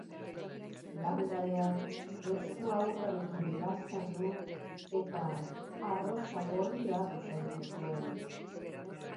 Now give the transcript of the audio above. Landareak esku-ahurrarekin laztandu, eta arrosa gorri bat usaindu zuen.